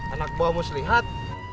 anak buah muslihat